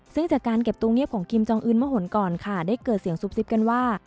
ซึ่งจากการเก็บตัวเงียบของคิมจองอื่นเมื่อหนก่อนค่ะได้เกิดเสียงซุบซิบกันว่า